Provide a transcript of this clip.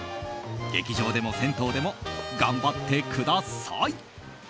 劇場でも銭湯でも頑張ってください！